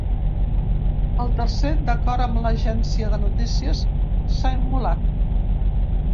El tercer, d’acord amb l’agència de notícies, s’ha immolat.